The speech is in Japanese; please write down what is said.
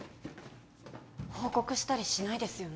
報告したりしないですよね？